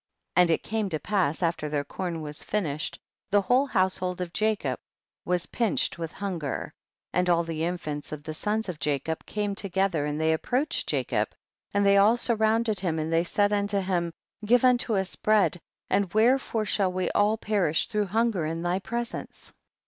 8. And it came to pass after their corn was finished, the whole house hold of Jacob was pinched with hunger, and all the infants of the sons of Jacob came together and they approached Jacob, and they all sur rounded him, and they said unto him, give unto us bread and wherefore shall we all perish through hunger in thy presence